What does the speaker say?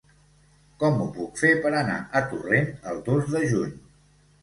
Com ho puc fer per anar a Torrent el dos de juny?